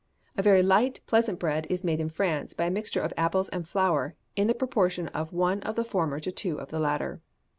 A very light, pleasant bread is made in France by a mixture of apples and flour, in the proportion of one of the former to two of the latter.